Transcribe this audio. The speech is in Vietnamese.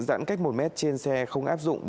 giãn cách một m trên xe không áp dụng